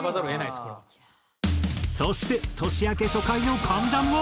そして年明け初回の『関ジャム』は。